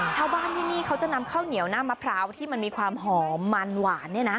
ชาวบ้านที่นี่เขาจะนำข้าวเหนียวหน้ามะพร้าวที่มันมีความหอมมันหวานเนี่ยนะ